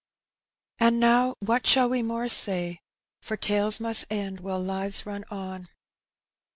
And now what shall we more say ? for tales must end while lives run on.